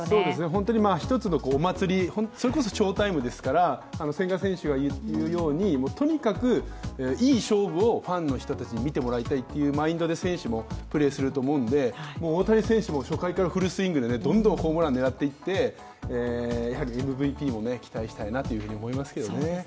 本当に、一つのお祭りそれこそショータイムですから千賀選手が言うようにとにかくいい勝負を、ファンの人たちに見てもらいたいというマインドで選手もプレーすると思うんで、大谷選手も初回からフルスイングでどんどんホームラン狙っていってＭＶＰも期待したいなと思いますけどね。